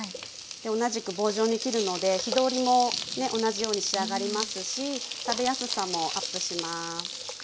同じく棒状に切るので火通りも同じように仕上がりますし食べやすさもアップします。